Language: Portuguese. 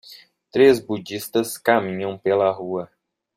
três budistas caminham pela rua.